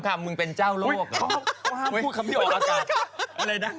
ครอส้อทชอศ่ะ